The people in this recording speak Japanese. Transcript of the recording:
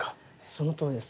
そのとおりです。